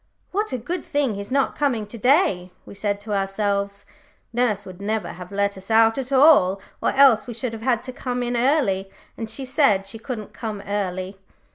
"What a good thing he's not coming to day," we said to ourselves. "Nurse would never have let us out at all, or else we would have had to come in early, and she said she couldn't come early.